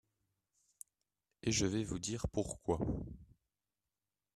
et je vais vous dire pourquoi.